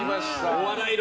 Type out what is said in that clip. お笑い論